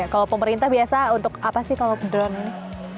kalau pemerintah biasa untuk apa sih kalau drone ini